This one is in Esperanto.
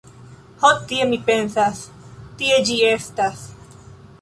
Ho tie mi pensas, tie ĝi estas.